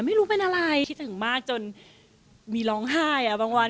ไม่รู้เป็นอะไรคิดถึงมากจนมีร้องไห้บางวัน